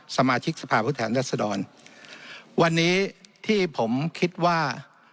สมาชิกสภาพผู้แทนรัศดรวันนี้ที่ผมคิดว่า